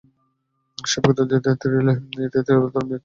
সেই অভিজ্ঞতা নিতেই থ্রিলারধর্মী একটি নাটকের মধ্য দিয়ে অভিনয়ে ফিরতে চাইছি।